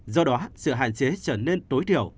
do đó sự hạn chế trở nên tối thiểu